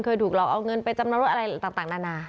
ถูกหลอกเอาเงินไปจำนำรถอะไรต่างนานา